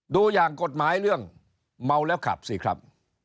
ดูอย่างกฎหมายเรื่องเมาแล้วขับสิครับ